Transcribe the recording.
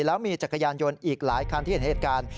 แล้วมีจักรยานยนต์อีกหลายคันที่เห็นเหตุการณ์